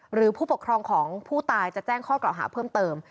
หรือผู้ปกครองของผู้ตายจะแจ้งข้อกล่าวหาเพิ่มเติม